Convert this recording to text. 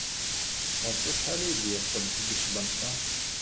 Ɣef wacḥal ay d-yeqqel seg tbanka?